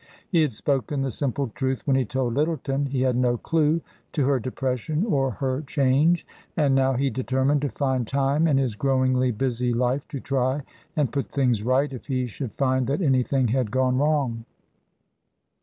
He had spoken the simple truth when he told Lyttleton he had no clue to her depression or her change ; and how he determined to find time in his growingly busy life to try and put things right if he should find that anything had gone wrong.